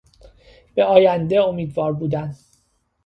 به آینده امیدوار بودن